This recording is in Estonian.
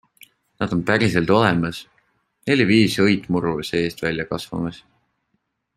Nad on päriselt olemas, neli-viis õit muru seest välja kasvamas.